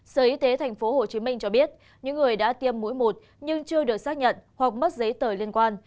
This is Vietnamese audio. sở y tế tp hcm cho biết những người đã tiêm mũi một nhưng chưa được xác nhận hoặc mất giấy tờ liên quan